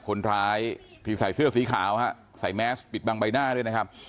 คนร้ายที่ใส่เสื้อสีขาวฮะใส่แมสปิดบังใบหน้าด้วยนะครับ